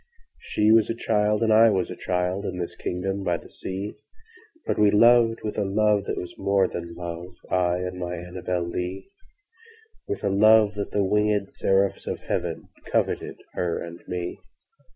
I was a child and she was a child, In this kingdom by the sea, But we loved with a love that was more than love—I and my ANNABEL LEE—With a love that the wingèd seraphs of heavenCoveted her and me.